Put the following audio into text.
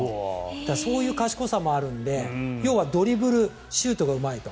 そういう賢さもあるので要はドリブル、シュートがうまいと。